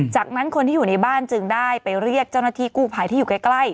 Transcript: จากนั้นคนที่อยู่ในบ้านจึงได้ไปเรียกเจ้าหน้าที่กู้ภัยที่อยู่ใกล้